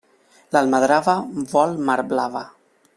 L'almadrava vol mar blava.